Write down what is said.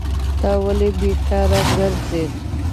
ته ولي بیکاره کرځي؟